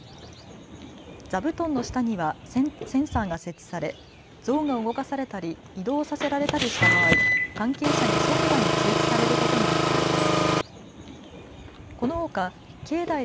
座布団の下にはセンサーが設置され像が動かされたり移動させられたりした場合、関係者に即座に通知されることになっています。